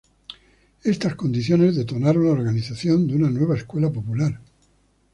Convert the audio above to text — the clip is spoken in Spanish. Estas condiciones detonaron la organización de una nueva escuela popular.